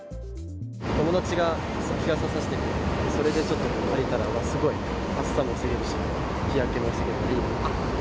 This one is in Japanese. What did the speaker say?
友達が日傘差してて、それでちょっと借りたら、すごい暑さも防げるし、日焼けも防げるしいいなと。